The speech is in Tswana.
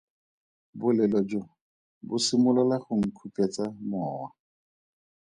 Bolelo jo bo simolola go nkhupetsa mowa.